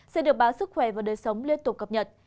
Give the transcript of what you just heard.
sẽ được báo sức khỏe và đời sống liên tục cập nhật